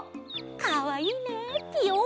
かわいいね。